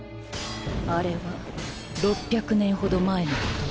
あれは６００年ほど前のことだ。